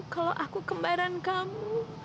kalau aku kembaran kamu